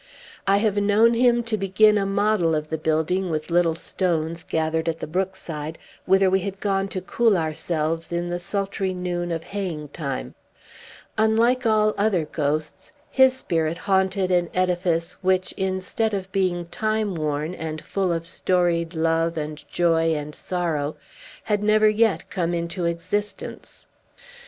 I have known him to begin a model of the building with little stones, gathered at the brookside, whither we had gone to cool ourselves in the sultry noon of haying time. Unlike all other ghosts, his spirit haunted an edifice, which, instead of being time worn, and full of storied love, and joy, and sorrow, had never yet come into existence.